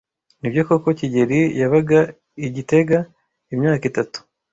Nibyo koko kigeli yabaga i gitega imyaka itatu?